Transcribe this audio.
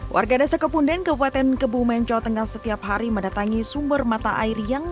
warga desa kepunden kebuatan kebumenco tengah setiap hari mendatangi sumber mata air yang